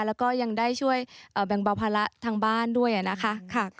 แล้วก็ยังได้ช่วยแบ่งเบาภาระทางบ้านด้วยนะคะ